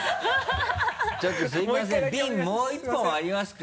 もう１本ありますか？